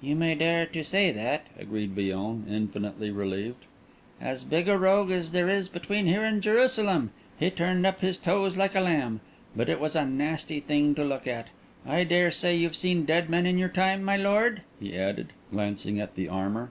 "You may dare to say that," agreed Villon, infinitely relieved. "As big a rogue as there is between here and Jerusalem. He turned up his toes like a lamb. But it was a nasty thing to look at. I dare say you've seen dead men in your time, my lord?" he added, glancing at the armour.